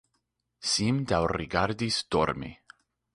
Sim daŭrigadis dormi.